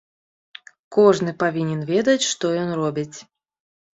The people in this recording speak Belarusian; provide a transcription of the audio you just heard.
Кожны павінен ведаць, што ён робіць.